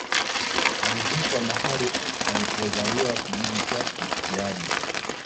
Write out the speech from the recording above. Alizikwa mahali alipo zaliwa kijiji cha Butiama